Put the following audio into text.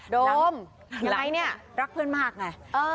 โดมยังไงเนี่ยรักเพื่อนมากไง